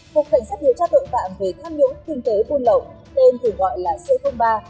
cục cảnh sát điều tra tội phạm về tham nhũng kinh tế buôn lậu tên thường gọi là c ba